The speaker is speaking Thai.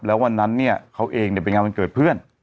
แล้ววันนั้นเนี่ยเขาเองไปงานวันเกิดเพื่อน